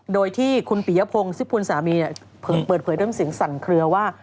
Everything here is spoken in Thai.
โดยที่คุณปิยพงษ์ซิบพูนสามีเพิ่งเปิดเผยเริ่มเสียงสั่นเคลือว่า